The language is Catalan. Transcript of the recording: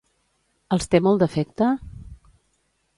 Els té molt d'afecte?